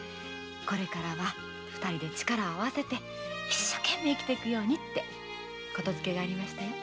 これからは二人で力を合わせて一生懸命生きてゆくようにって言づけがありましたよ。